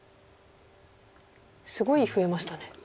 すごい増えましたね。